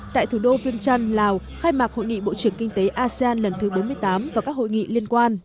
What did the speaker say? tại thủ đô viên trăn lào khai mạc hội nghị bộ trưởng kinh tế asean lần thứ bốn mươi tám và các hội nghị liên quan